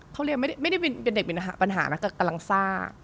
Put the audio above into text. เขาเรียกว่าไม่ได้เป็นเด็กมีปัญหานะก็กำลังซ่า